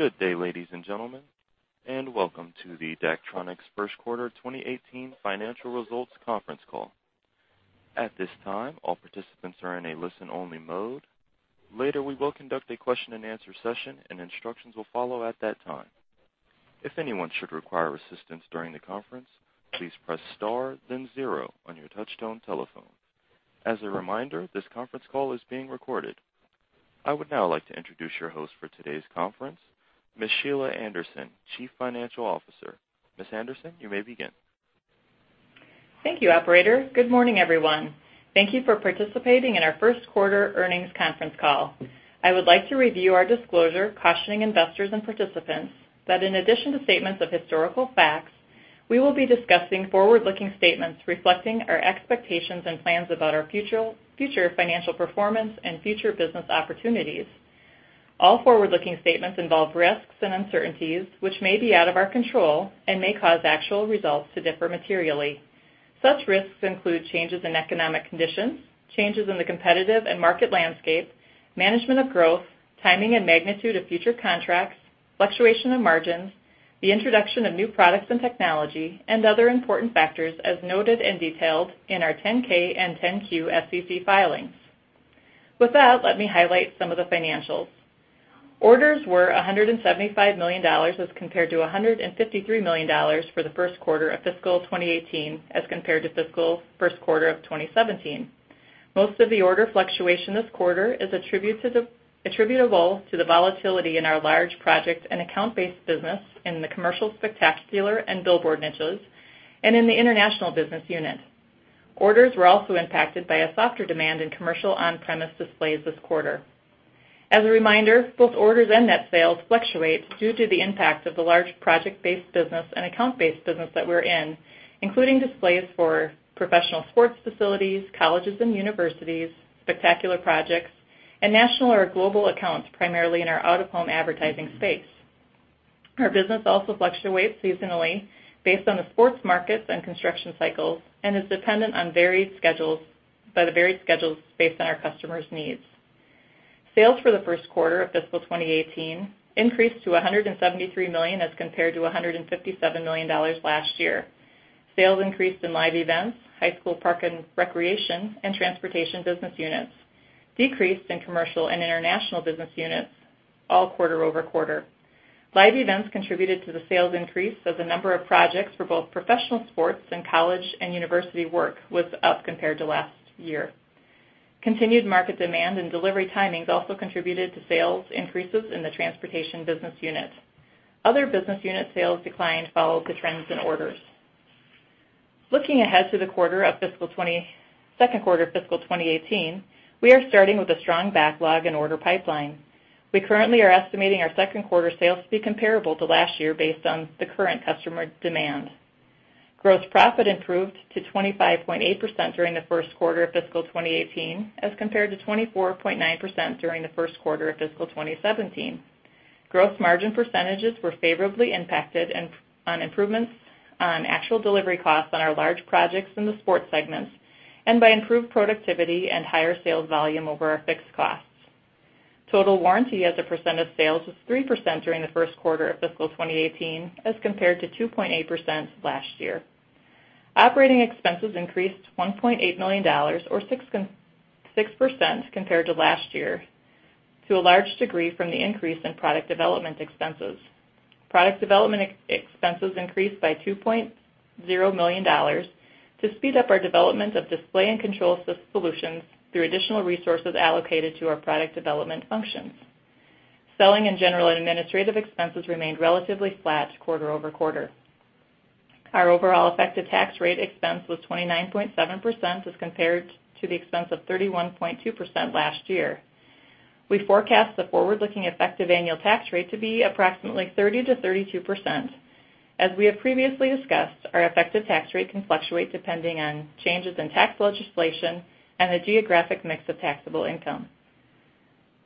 Good day, ladies and gentlemen, welcome to the Daktronics First Quarter 2018 financial results conference call. At this time, all participants are in a listen-only mode. Later, we will conduct a question-and-answer session, and instructions will follow at that time. If anyone should require assistance during the conference, please press star then zero on your touchtone telephone. As a reminder, this conference call is being recorded. I would now like to introduce your host for today's conference, Ms. Sheila Anderson, Chief Financial Officer. Ms. Anderson, you may begin. Thank you, operator. Good morning, everyone. Thank you for participating in our first quarter earnings conference call. I would like to review our disclosure cautioning investors and participants that in addition to statements of historical facts, we will be discussing forward-looking statements reflecting our expectations and plans about our future financial performance and future business opportunities. All forward-looking statements involve risks and uncertainties which may be out of our control and may cause actual results to differ materially. Such risks include changes in economic conditions, changes in the competitive and market landscape, management of growth, timing and magnitude of future contracts, fluctuation of margins, the introduction of new products and technology, and other important factors as noted and detailed in our 10-K and 10-Q SEC filings. With that, let me highlight some of the financials. Orders were $175 million as compared to $153 million for the first quarter of fiscal 2018 as compared to fiscal first quarter of 2017. Most of the order fluctuation this quarter is attributable to the volatility in our large project and account-based business in the commercial spectacular and billboard niches and in the international business unit. Orders were also impacted by a softer demand in commercial on-premise displays this quarter. As a reminder, both orders and net sales fluctuate due to the impact of the large project-based business and account-based business that we're in, including displays for professional sports facilities, colleges and universities, spectacular projects, and national or global accounts, primarily in our out-of-home advertising space. Our business also fluctuates seasonally based on the sports markets and construction cycles and is dependent on varied schedules based on our customers' needs. Sales for the first quarter of fiscal 2018 increased to $173 million as compared to $157 million last year. Sales increased in live events, high school, park and recreation, and transportation business units, decreased in commercial and international business units, all quarter-over-quarter. Live events contributed to the sales increase as a number of projects for both professional sports and college and university work was up compared to last year. Continued market demand and delivery timings also contributed to sales increases in the transportation business unit. Other business unit sales declined followed the trends in orders. Looking ahead to the second quarter of fiscal 2018, we are starting with a strong backlog and order pipeline. We currently are estimating our second quarter sales to be comparable to last year based on the current customer demand. Gross profit improved to 25.8% during the first quarter of fiscal 2018 as compared to 24.9% during the first quarter of fiscal 2017. Gross margin percentages were favorably impacted on improvements on actual delivery costs on our large projects in the sports segments and by improved productivity and higher sales volume over our fixed costs. Total warranty as a percent of sales was 3% during the first quarter of fiscal 2018 as compared to 2.8% last year. Operating expenses increased by $2.0 million or 6% compared to last year, to a large degree from the increase in product development expenses. Product development expenses increased by $2.0 million to speed up our development of display and control solutions through additional resources allocated to our product development functions. Selling and general and administrative expenses remained relatively flat quarter-over-quarter. Our overall effective tax rate expense was 29.7% as compared to the expense of 31.2% last year. We forecast the forward-looking effective annual tax rate to be approximately 30%-32%. As we have previously discussed, our effective tax rate can fluctuate depending on changes in tax legislation and the geographic mix of taxable income.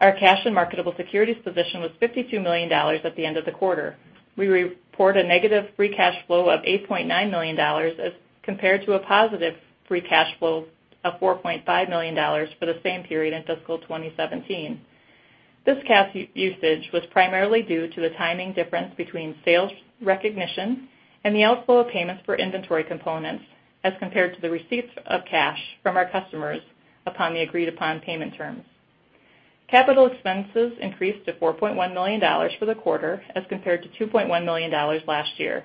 Our cash and marketable securities position was $52 million at the end of the quarter. We report a negative free cash flow of $8.9 million as compared to a positive free cash flow of $4.5 million for the same period in fiscal 2017. This cash usage was primarily due to the timing difference between sales recognition and the outflow of payments for inventory components as compared to the receipts of cash from our customers upon the agreed-upon payment terms. Capital expenses increased to $4.1 million for the quarter as compared to $2.1 million last year.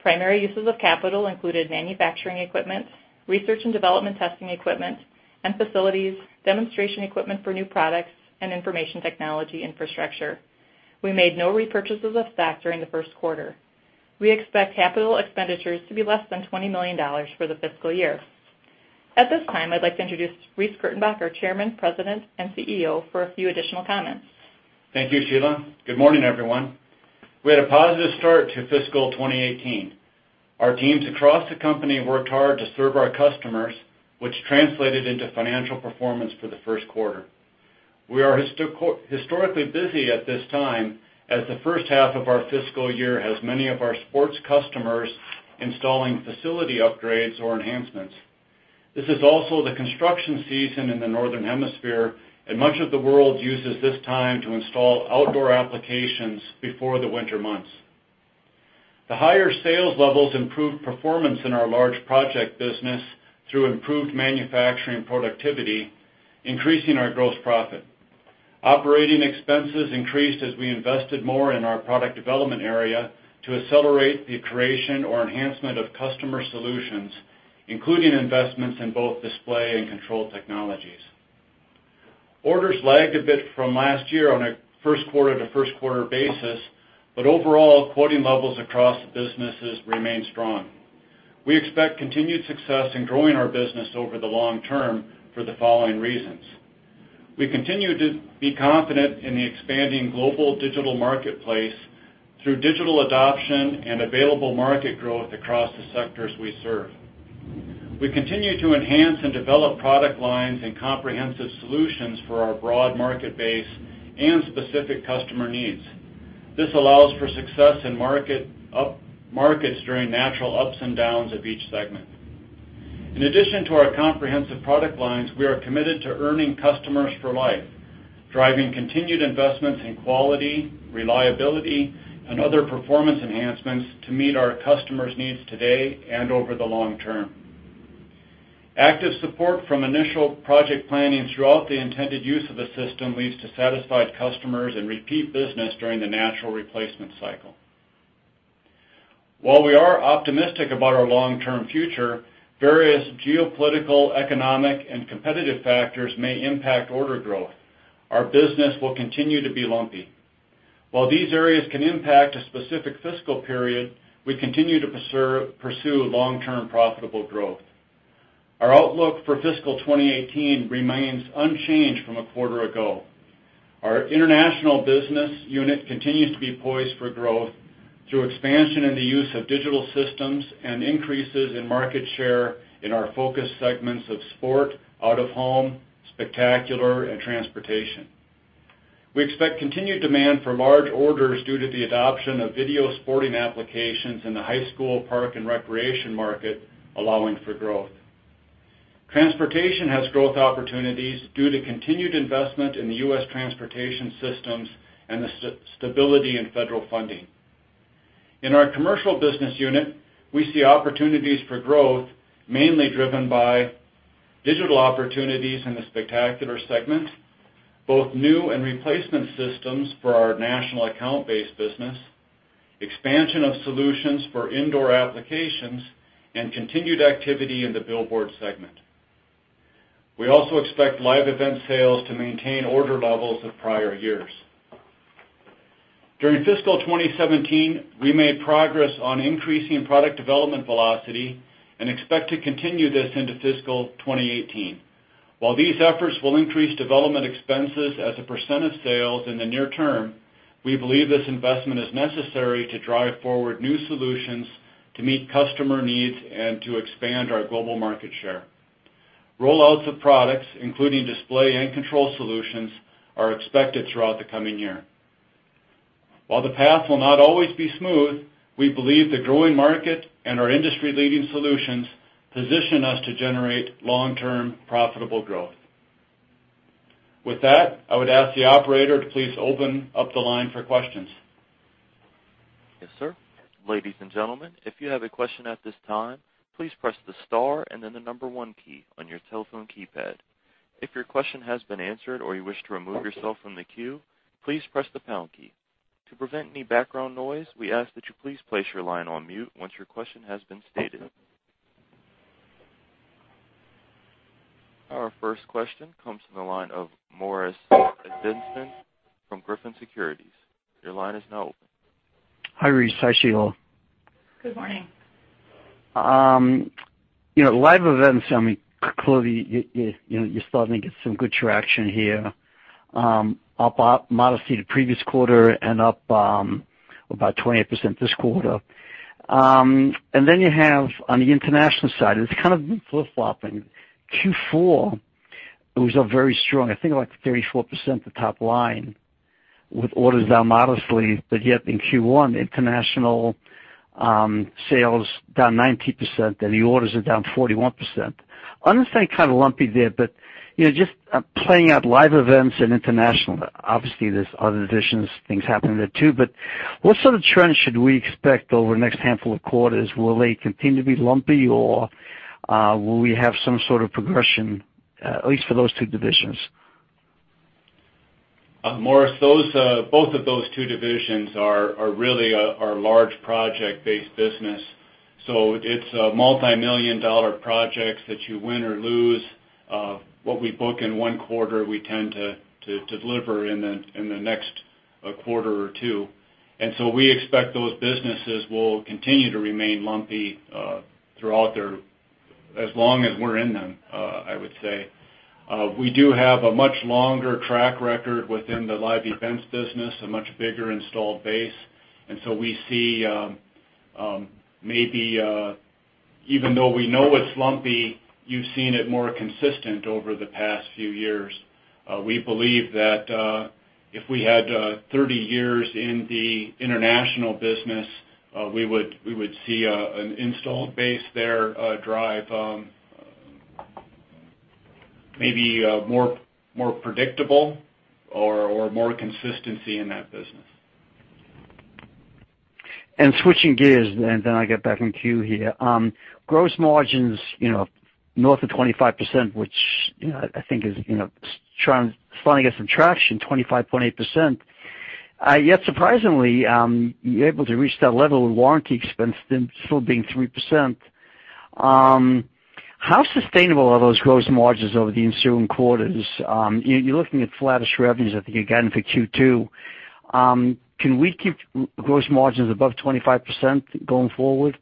Primary uses of capital included manufacturing equipment, research and development testing equipment and facilities, demonstration equipment for new products, and information technology infrastructure. We made no repurchases of stock during the first quarter. We expect capital expenditures to be less than $20 million for the fiscal year. At this time, I'd like to introduce Reece Kurtenbach, our Chairman, President, and CEO, for a few additional comments. Thank you, Sheila. Good morning, everyone. We had a positive start to fiscal 2018. Our teams across the company worked hard to serve our customers, which translated into financial performance for the first quarter. We are historically busy at this time, as the first half of our fiscal year has many of our sports customers installing facility upgrades or enhancements. This is also the construction season in the Northern Hemisphere, and much of the world uses this time to install outdoor applications before the winter months. The higher sales levels improved performance in our large project business through improved manufacturing productivity, increasing our gross profit. Operating expenses increased as we invested more in our product development area to accelerate the creation or enhancement of customer solutions, including investments in both display and control technologies. Orders lagged a bit from last year on a first quarter to first quarter basis. Overall, quoting levels across the businesses remain strong. We expect continued success in growing our business over the long term for the following reasons. We continue to be confident in the expanding global digital marketplace through digital adoption and available market growth across the sectors we serve. We continue to enhance and develop product lines and comprehensive solutions for our broad market base and specific customer needs. This allows for success in markets during natural ups and downs of each segment. In addition to our comprehensive product lines, we are committed to earning customers for life, driving continued investments in quality, reliability, and other performance enhancements to meet our customers' needs today and over the long term. Active support from initial project planning throughout the intended use of the system leads to satisfied customers and repeat business during the natural replacement cycle. While we are optimistic about our long-term future, various geopolitical, economic, and competitive factors may impact order growth. Our business will continue to be lumpy. While these areas can impact a specific fiscal period, we continue to pursue long-term profitable growth. Our outlook for fiscal 2018 remains unchanged from a quarter ago. Our international business unit continues to be poised for growth through expansion in the use of digital systems and increases in market share in our focus segments of sport, out of home, spectacular, and transportation. We expect continued demand for large orders due to the adoption of video sporting applications in the high school park and recreation market, allowing for growth. Transportation has growth opportunities due to continued investment in the U.S. transportation systems and the stability in federal funding. In our commercial business unit, we see opportunities for growth mainly driven by digital opportunities in the spectacular segment, both new and replacement systems for our national account-based business, expansion of solutions for indoor applications, and continued activity in the billboard segment. We also expect live event sales to maintain order levels of prior years. During fiscal 2017, we made progress on increasing product development velocity and expect to continue this into fiscal 2018. While these efforts will increase development expenses as a % of sales in the near term, we believe this investment is necessary to drive forward new solutions to meet customer needs and to expand our global market share. Rollouts of products, including display and control solutions, are expected throughout the coming year. While the path will not always be smooth, we believe the growing market and our industry-leading solutions position us to generate long-term profitable growth. With that, I would ask the operator to please open up the line for questions. Yes, sir. Ladies and gentlemen, if you have a question at this time, please press the star and then the number 1 key on your telephone keypad. If your question has been answered or you wish to remove yourself from the queue, please press the pound key. To prevent any background noise, we ask that you please place your line on mute once your question has been stated. Our first question comes from the line of Morris Ajsinzon from Griffin Securities. Your line is now open. Hi, Reece. Hi, Sheila. Good morning. Live events, clearly, you're starting to get some good traction here. Up modestly the previous quarter and up about 28% this quarter. You have, on the international side, it's kind of been flip-flopping. Q4, it was up very strong, I think like 34% the top line, with orders down modestly. Yet in Q1, international sales down 19%, and the orders are down 41%. I understand kind of lumpy there, just playing out live events and international, obviously, there's other divisions, things happening there too, what sort of trends should we expect over the next handful of quarters? Will they continue to be lumpy, or will we have some sort of progression, at least for those two divisions? Morris, both of those two divisions are really our large project-based business. It's multimillion-dollar projects that you win or lose. What we book in one quarter, we tend to deliver in the next quarter or two. We expect those businesses will continue to remain lumpy as long as we're in them, I would say. We do have a much longer track record within the live events business, a much bigger installed base. We see maybe even though we know it's lumpy, you've seen it more consistent over the past few years. We believe that if we had 30 years in the international business, we would see an installed base there drive maybe a more predictable or more consistency in that business. Switching gears, I get back in queue here. Gross margins north of 25%, which I think is finally getting some traction, 25.8%. Yet surprisingly, you're able to reach that level of warranty expense still being 3%. How sustainable are those gross margins over the ensuing quarters? You're looking at flattish revenues, I think, again for Q2. Can we keep gross margins above 25% going forward?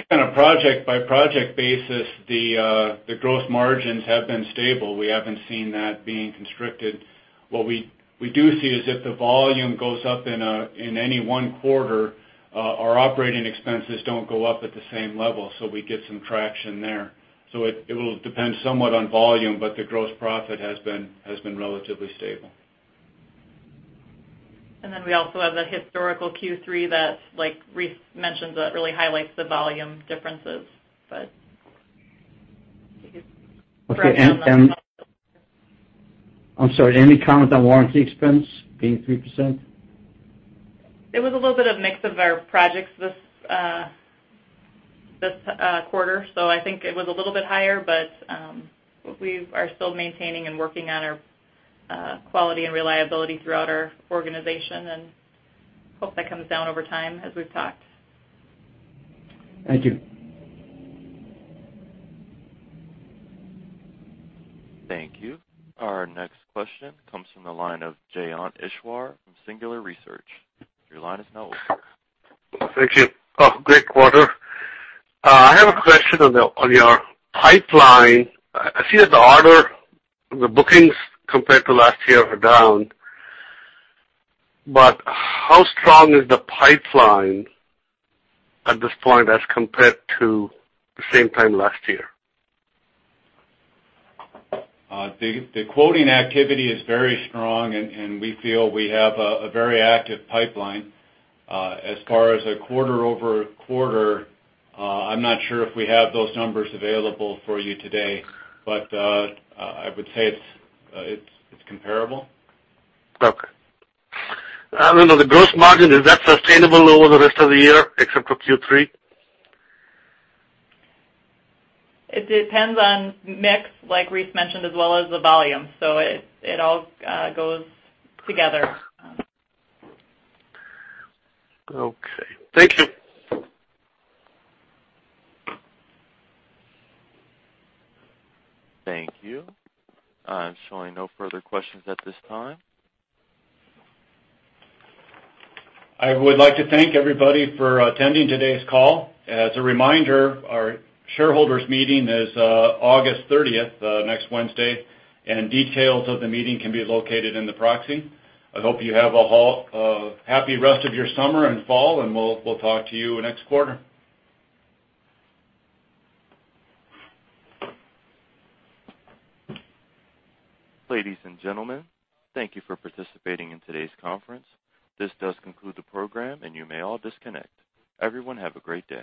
I think on a project-by-project basis, the gross margins have been stable. We haven't seen that being constricted. What we do see is if the volume goes up in any one quarter, our operating expenses don't go up at the same level, so we get some traction there. It will depend somewhat on volume, but the gross profit has been relatively stable. We also have the historical Q3 that, like Reece mentioned, that really highlights the volume differences. If you- Okay. I'm sorry, any comment on warranty expense being 3%? It was a little bit of mix of our projects this quarter, so I think it was a little bit higher, but we are still maintaining and working on our quality and reliability throughout our organization and hope that comes down over time, as we've talked. Thank you. Thank you. Our next question comes from the line of Jayant Ishwar from Singular Research. Your line is now open. Thank you. Great quarter. I have a question on your pipeline. I see that the order, the bookings compared to last year are down. How strong is the pipeline at this point as compared to the same time last year? The quoting activity is very strong, and we feel we have a very active pipeline. As far as a quarter-over-quarter, I'm not sure if we have those numbers available for you today, but I would say it's comparable. Okay. The gross margin, is that sustainable over the rest of the year, except for Q3? It depends on mix, like Reece mentioned, as well as the volume. It all goes together. Okay. Thank you. Thank you. I'm showing no further questions at this time. I would like to thank everybody for attending today's call. As a reminder, our shareholders meeting is August 30th, next Wednesday. Details of the meeting can be located in the proxy. I hope you have a happy rest of your summer and fall. We'll talk to you next quarter. Ladies and gentlemen, thank you for participating in today's conference. This does conclude the program. You may all disconnect. Everyone have a great day.